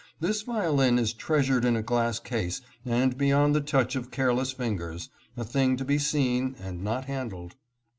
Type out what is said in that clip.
This violin is treasured in a glass case and beyond the touch of careless fingers, a thing to be seen and not handled.